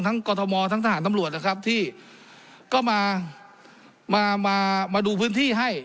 กรทมทั้งทหารตำรวจนะครับที่ก็มามามาดูพื้นที่ให้